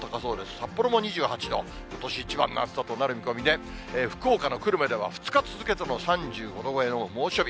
札幌も２８度、ことし一番の暑さとなる見込みで、福岡の久留米では２にちつづけての３５度超えの猛暑日。